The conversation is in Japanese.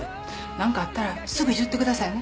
何かあったらすぐ言ってくださいね。